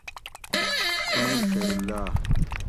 چُنڑیل: شیراللّہ